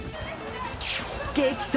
激走！